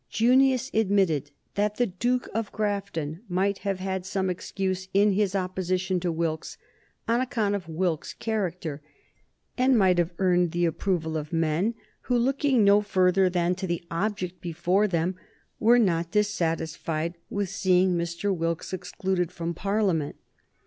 Junius admitted that the Duke of Grafton might have had some excuse in his opposition to Wilkes on account of Wilkes's character, and might have earned the approval of men who, looking no further than to the object before them, were not dissatisfied with seeing Mr. Wilkes excluded from Parliament.